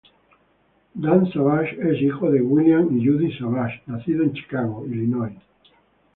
Dan Savage es hijo de William y Judy Savage, nacido en Chicago, Illinois.